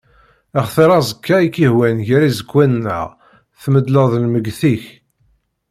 Xtiṛ aẓekka i k-ihwan gar iẓekwan-nneɣ tmeḍleḍ lmegget-ik.